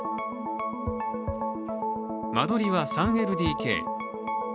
間取りは３ＬＤＫ。